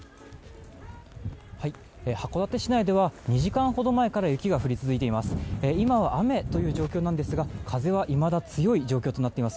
函館市内では２時間ほど前から雪が降り続いています。